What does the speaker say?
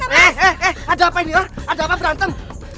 eh eh eh ada apa ini ada apa berantem